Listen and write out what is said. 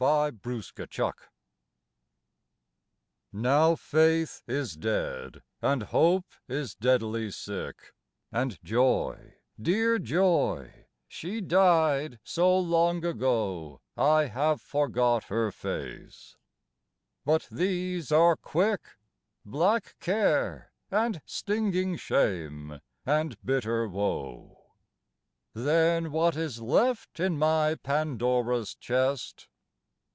THE REMAINDER Now faith is dead and hope is deadly sick, And joy dear joy she died so long ago I have forgot her face; but these are quick, Black care, and stinging shame, and bitter woe. Then what is left in my Pandora's chest?